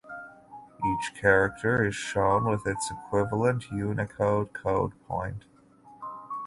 Each character is shown with its equivalent Unicode code point.